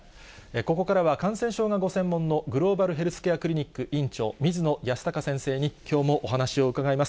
ここからは感染症がご専門の、グローバルヘルスケアクリニック院長、水野泰孝先生に、きょうもお話を伺います。